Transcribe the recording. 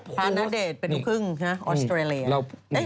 ณเดชน์เป็นลูกครึ่งออสเตรเลีย